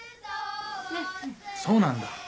そうなんだ。